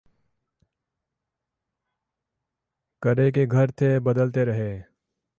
Kiray K Ghar Thay Badalty Rahay